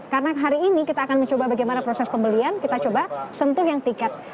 karena hari ini kita akan mencoba bagaimana proses pembelian kita coba sentuh yang tiket